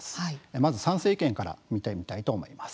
まずは賛成意見から見てみたいと思います。